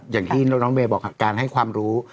อย่างที่น้องเมย์บอกการให้ความรู้